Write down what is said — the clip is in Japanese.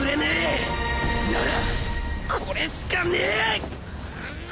ならこれしかねえ！